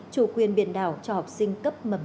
chủ quyền biển đảo cho học sinh cấp mầm